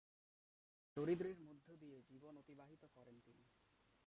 দারিদ্র্যের মধ্যে দিয়ে জীবন অতিবাহিত করেন তিনি।